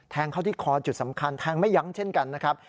เข้าที่คอจุดสำคัญแทงไม่ยั้งเช่นกันนะครับ